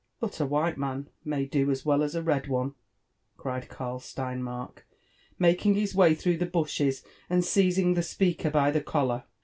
" But a white man may do as well as a red one," cried Karl Stein mark, making his way through the bushes, and seizing Ihe speaker bf the collar.